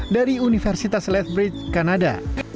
dari universitas lethbridge kanada